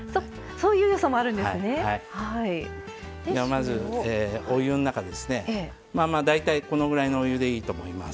まずお湯の中ですね大体このぐらいのお湯でいいと思います。